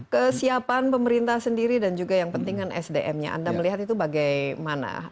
kesiapan pemerintah sendiri dan juga yang penting kan sdm nya anda melihat itu bagaimana